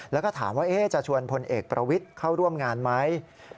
แล้วก็ถามว่าจะชวนพลเอกประวิทย์เข้าร่วมงานไหม